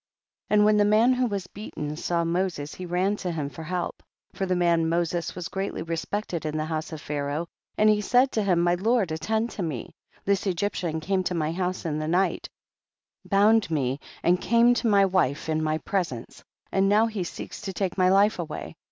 2. And when the man who was bea ten saw Moses he ran to him for help, for the man Moses was greatly respected in the house of Pharaoh, and he said to him, my lord attend to me, this Egyptian came to my house in the night, bound me, and came to my wife in my presence, and now he seeks to take my life away.